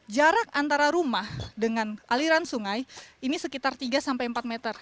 jarak antara rumah dengan aliran sungai ini sekitar tiga sampai empat meter